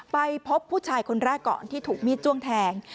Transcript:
ไปพบผู้ชายคนแรกก่อนที่ถูกมีดจ้วงแทง